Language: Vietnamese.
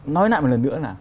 nói lại một lần nữa là